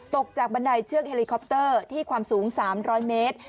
ตกจากบันไดเชือกเฮลิคอปเตอร์ที่ความสูง๓๐๐เมตร